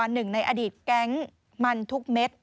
หนึ่งในอดีตแก๊งมันทุกเม็ด